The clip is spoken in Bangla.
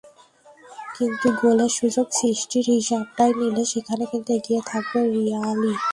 কিন্তু গোলের সুযোগ সৃষ্টির হিসাবটা নিলে সেখানে কিন্তু এগিয়ে থাকবে রিয়ালই।